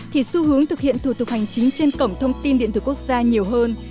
thì xu hướng thực hiện thủ tục hành chính trên cổng thông tin điện tử quốc gia nhiều hơn